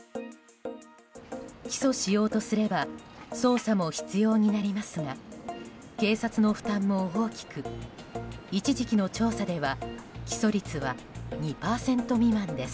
起訴しようとすれば捜査も必要になりますが警察の負担も大きく一時期の調査では起訴率は２％未満です。